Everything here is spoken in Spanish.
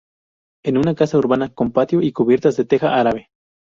Es una casa urbana con patio y cubiertas de teja árabe.